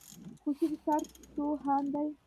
خوشي د سرت سو هان دی.